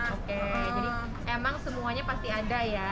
oke jadi emang semuanya pasti ada ya